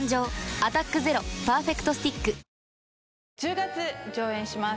「アタックＺＥＲＯパーフェクトスティック」１０月上演します